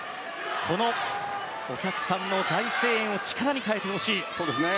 このお客さんの大声援を力に変えてほしい。